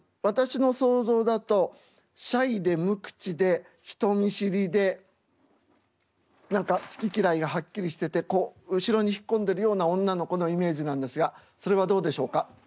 私の想像だとシャイで無口で人見知りで何か好き嫌いがはっきりしてて後ろに引っ込んでるような女の子のイメージなんですがそれはどうでしょうか？